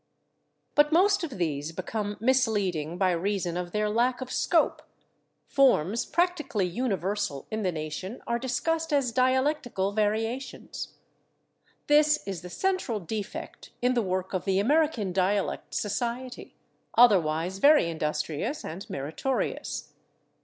But most of these become misleading by reason of their lack of scope; forms practically universal in the nation are discussed as dialectical variations. This is the central defect in the work of the American Dialect Society, otherwise very industrious and meritorious.